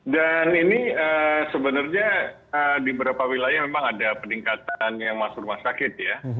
dan ini sebenarnya di beberapa wilayah memang ada peningkatan yang masuk rumah sakit ya